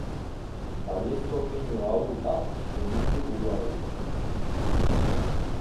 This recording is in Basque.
Baiezko keinu ahul bat egin du buruarekin.